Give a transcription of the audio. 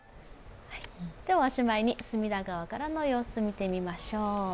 おしまいに、隅田川からの様子見てみましょう。